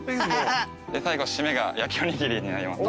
最後締めが焼きおにぎりになります。